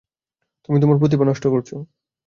তুমি তোমার প্রতিভা নষ্ট করছো।